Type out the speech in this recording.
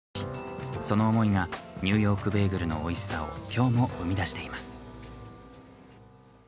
その思いがニューヨークベーグルのおいしさをきょうも生み出しています。